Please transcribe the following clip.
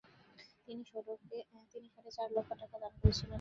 তিনি সাড়ে চার লক্ষ টাকা দান করেছিলেন।